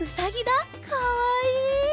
かわいい！